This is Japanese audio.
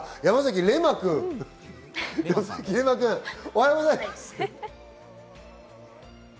おはようございます。